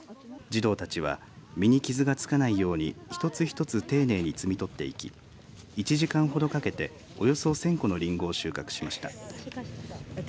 児童たちは実に傷がつかないように一つ一つ丁寧に摘み取っていき１時間ほどかけておよそ１０００個のりんごを収穫しました。